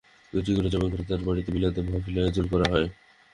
দুটি গরু জবাই করে তাঁর বাড়িতে মিলাদ মাহফিলের আয়োজন করা হয়।